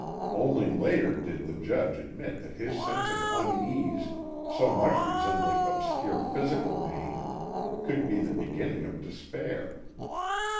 Only later did the Judge admit that his sense of unease, so much resembling obscure physical pain, could be the beginning of despair.